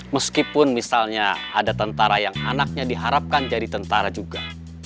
meskipun misalnya ada tentara yang anaknya diharapkan jadi tentara juga